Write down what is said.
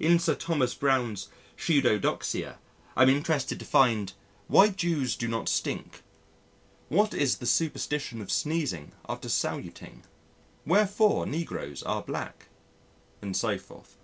In Sir Thomas Browne's Pseudodoxia, I am interested to find "why Jews do not stink, what is the superstition of sneezing after saluting, wherefore negroes are black," and so forth.